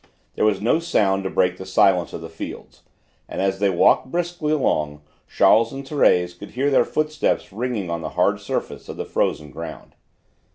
There was no sound to break the silence of the fields, and as they walked briskly along Charles and Thérèse could hear their footsteps ringing on the hard surface of the frozen ground.